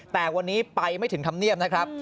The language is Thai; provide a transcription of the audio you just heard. แต่วันนี้ไปไม่ถึงธรรมเนียบนะครับ